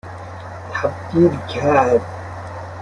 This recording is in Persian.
تبدیل کرد